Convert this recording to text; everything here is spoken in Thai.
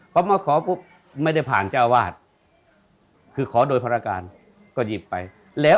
พอมาขอปุ๊บไม่ได้ผ่านเจ้าวาดคือขอโดยภารการก็หยิบไปแล้ว